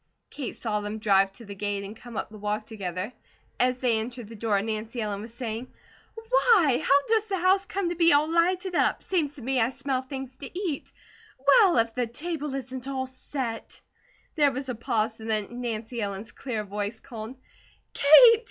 Kate saw them drive to the gate and come up the walk together. As they entered the door Nancy Ellen was saying: "Why, how does the house come to be all lighted up? Seems to me I smell things to eat. Well, if the table isn't all set!" There was a pause and then Nancy Ellen's clear voice called: "Kate!